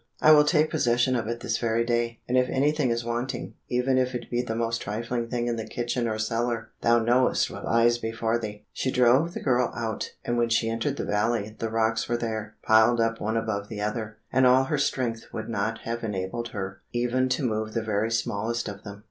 I will take possession of it this very day, and if anything is wanting, even if it be the most trifling thing in the kitchen or cellar, thou knowest what lies before thee!" She drove the girl out, and when she entered the valley, the rocks were there, piled up one above the other, and all her strength would not have enabled her even to move the very smallest of them.